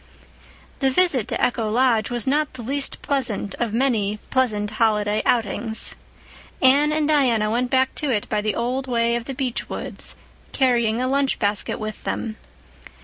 The visit to Echo Lodge was not the least pleasant of many pleasant holiday outings. Anne and Diana went back to it by the old way of the beech woods, carrying a lunch basket with them.